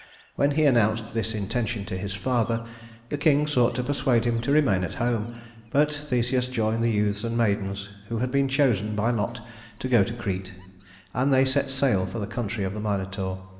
When he announced this intention to his father, the king sought to persuade him to remain at home; but Theseus joined the youths and maidens who had been chosen by lot to go to Crete, and they set sail for the country of the Minotaur.